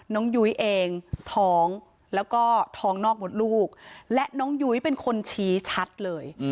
ยุ้ยเองท้องแล้วก็ท้องนอกหมดลูกและน้องยุ้ยเป็นคนชี้ชัดเลย